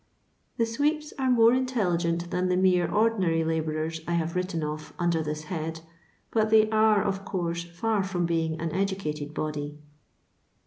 The sweeps are more intelligent than the mere ordinary labourers I have written of under this head, but they are, of course, ist from being an educated body.